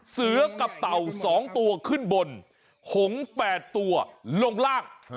เสือกับเต่า๒ตัวขึ้นบนหง๘ตัวลงล่าง